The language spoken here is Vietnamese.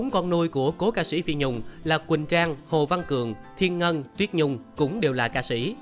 bốn con nuôi của cố ca sĩ phi nhung là quỳnh trang hồ văn cường thiên ngân tuyết nhung cũng đều là ca sĩ